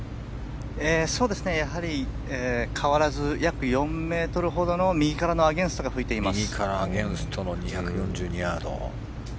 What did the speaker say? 変わらず約４メートルほどの右からのアゲンストが吹いています。